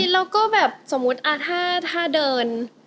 แล้วก็แบบสมมุติถ้าเดิน